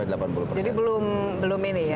jadi belum ini ya